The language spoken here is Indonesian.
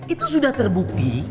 itu sudah terbukti